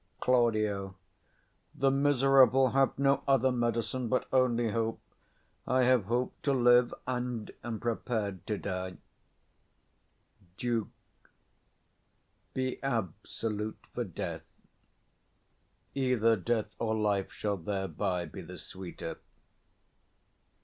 Claud. The miserable have no other medicine But only hope: I've hope to live, and am prepar'd to die. Duke. Be absolute for death; either death or life 5 Shall thereby be the sweeter.